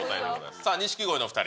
さあ、錦鯉のお２人。